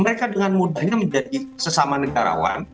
mereka dengan mudahnya menjadi sesama negarawan